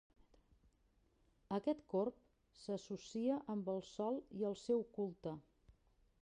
Aquest corb s'associa amb el sol i el seu culte.